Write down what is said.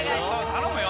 頼むよ